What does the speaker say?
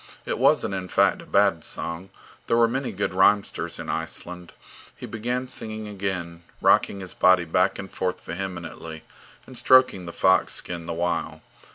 It wasn't, in fact, a bad song. There were many good rhymesters in Iceland. He began singing again, rocking his body back and forth vehemently, and stroking the fox skin the while.